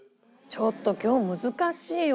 ちょっと今日難しいよ。